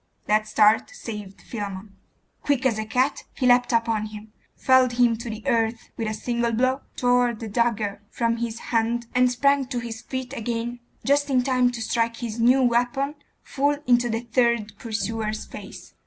That start saved Philammon. Quick as a cat, he leapt upon him, felled him to the earth with a single blow, tore the dagger from his hand, and sprang to his feet again just in time to strike his new weapon full into the third pursuer's face.